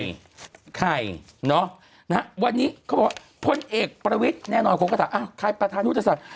ไข่ไข่เนาะวันนี้เขาบอกพลเอกประวิทย์แน่นอนคนก็ถามอ้าวใครประธานุทธศักดิ์